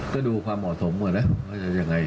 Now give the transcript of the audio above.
ก็ดูความเหมาะสมก่อนนะว่าจะยังไง